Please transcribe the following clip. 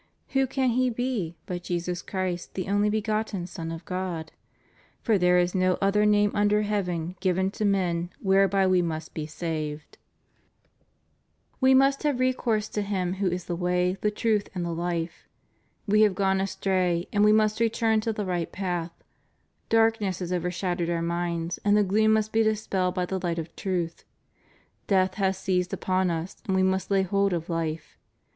Who can he be but Jesus Christ, the only begotten Son of God ? For there is no other name under heaven given to men whereby we must he saved.* 1 Acts iv. 12. 460 CONSECRATION TO THE SACRED HEART OF JESUS. We must have recourse to Him who is the Way, the Truth, and the Life. We have gone astray and we must return to the right path : darkness has overshadowed our minds, and the gloom must be dispelled by the light of truth : death has seized upon us, and we must lay hold of life.